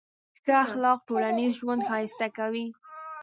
ښه اخلاق ټولنیز ژوند ښایسته کوي.